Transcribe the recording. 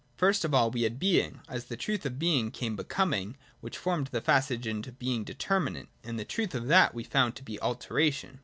First of all, we had Being : as the truth of Being, came Becoming : which formed the passage to Being Determinate : and the truth of that we found to be Alteration.